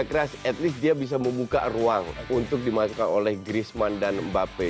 pekerja keras at least dia bisa membuka ruang untuk dimasukkan oleh griezmann dan bape